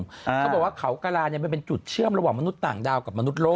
เขาบอกว่าเขากระลาเนี่ยมันเป็นจุดเชื่อมระหว่างมนุษย์ต่างดาวกับมนุษย